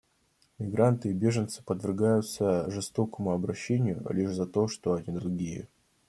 Мигранты и беженцы подвергаются жестокому обращению лишь за то, что они другие.